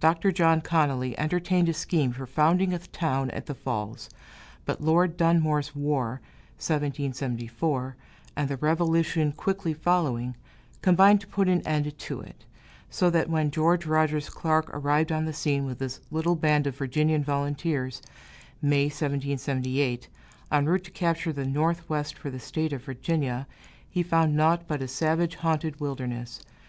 Dr. John Connolly entertained a scheme for founding a town at the Falls, but Lord Dunmore's War (1774), and the Revolution quickly following, combined to put an end to it; so that when George Rogers Clark arrived on the scene with his little band of Virginian volunteers (May, 1778), en route to capture the Northwest for the State of Virginia, he found naught but a savage haunted wilderness.